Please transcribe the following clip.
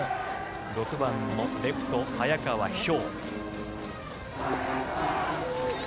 ６番のレフト早川飛翔。